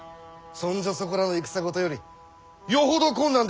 そんじょそこらの戦事よりよほど困難であるぞ！